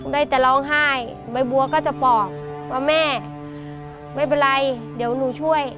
ได้แต่ร้องไห้ใบบัวก็จะบอกว่าแม่ไม่เป็นไรเดี๋ยวหนูช่วย